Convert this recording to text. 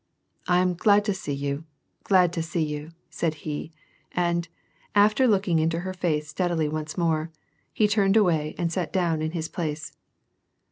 " I am glad to see you, glad to see you," said he ; and, after looking into her face steadily once more, he turned away and sat down in his place.